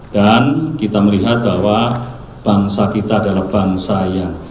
kita melihat bahwa bangsa kita adalah bangsa yang